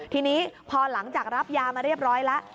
ทีนี้พอหลังจากรับยามาเรียบร้อยแล้ว